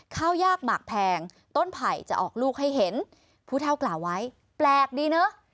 ข้าวยากหมากแพงต้นไผ่จะออกลูกให้เห็นผู้เท่ากล่าวไว้แปลกดีเนอะ